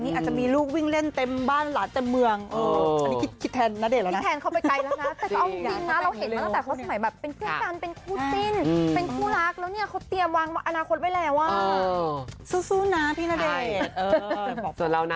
เพราะว่ารู้ว่าทุกบาททุกสตางค์ก่อนจากที่พี่ณเดชน์ทำงาน